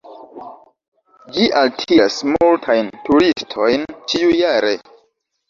Ĝi altiras multajn turistojn ĉiujare.